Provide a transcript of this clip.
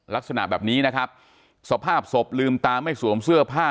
ลักษณะแบบนี้นะครับสภาพศพลืมตาไม่สวมเสื้อผ้า